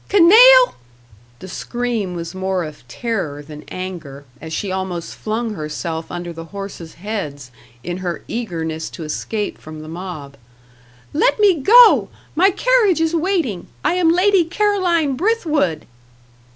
"Canaille!" the scream was more of terror than anger, as she almost flung herself under the horses' heads in her eagerness to escape from the mob. "Let me go! My carriage is waiting. I am Lady Caroline Brithwood!"